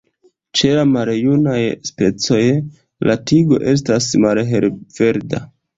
Ĉe la maljunaj specoj, la tigo estas malhelverda.